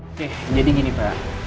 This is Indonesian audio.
oke jadi gini pak